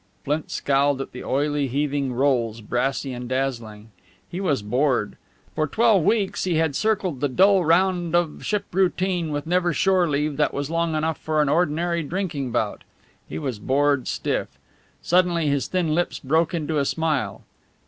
Flint scowled at the oily, heaving rolls, brassy and dazzling. He was bored. For twelve weeks he had circled the dull round of ship routine, with never shore leave that was long enough for an ordinary drinking bout. He was bored stiff. Suddenly his thin lips broke into a smile.